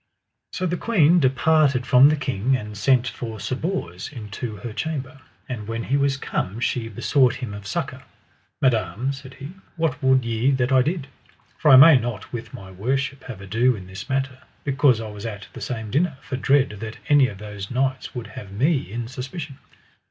So the queen departed from the king, and sent for Sir Bors into her chamber. And when he was come she besought him of succour. Madam, said he, what would ye that I did? for I may not with my worship have ado in this matter, because I was at the same dinner, for dread that any of those knights would have me in suspicion.